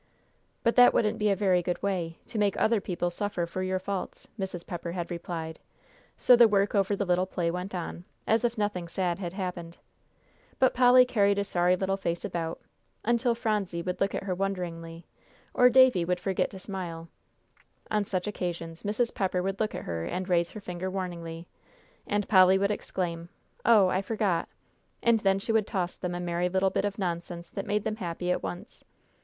"But that wouldn't be a very good way: to make other people suffer for your faults," Mrs. Pepper had replied. So the work over the little play went on, as if nothing sad had happened. But Polly carried a sorry little face about, until Phronsie would look at her wonderingly, or Davie would forget to smile; on such occasions Mrs. Pepper would look at her and raise her finger warningly, and Polly would exclaim, "Oh, I forgot," and then she would toss them a merry little bit of nonsense that made them happy at once.